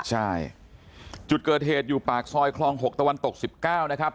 ใช่จุดเกิดเหตุอยู่ปากซอยคลอง๖ตะวันตก๑๙นะครับ